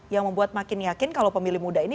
yang membuat makin yakin kalau pemilih muda ini